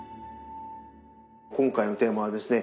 今回のテーマはですね